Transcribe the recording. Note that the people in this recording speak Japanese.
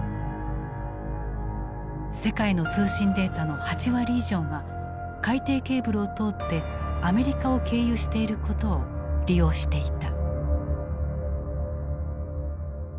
世界の通信データの８割以上が海底ケーブルを通ってアメリカを経由していることを利用していた。